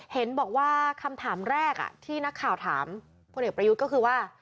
เห็นบอกว่าคำถามแรกที่นักข่าวถามพลเอกประยุทธ์ก็คือว่า